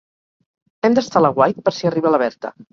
Hem d'estar a l'aguait per si arriba la Berta.